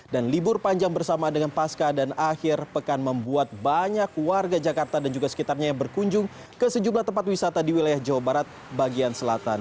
dan libur panjang bersama dengan pasca dan akhir pekan membuat banyak warga jakarta dan juga sekitarnya yang berkunjung ke sejumlah tempat wisata di wilayah jawa barat bagian selatan